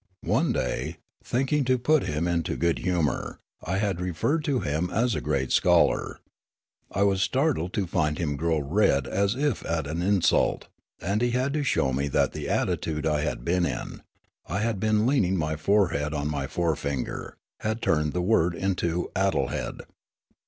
One day, thinking to put him into good humour, I had referred to him as a great scholar ; I was startled to find him grow red as if at an insult ; and he had to show me that the attitude I had been in (I had been leaning my forehead on my forefinger) had turned the word into " addlehead."